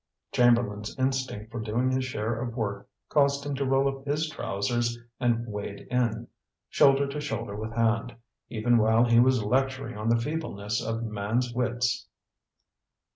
Chamberlain's instinct for doing his share of work caused him to roll up his trousers and wade in, shoulder to shoulder with Hand, even while he was lecturing on the feebleness of man's wits.